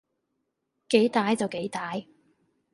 幾歹就幾歹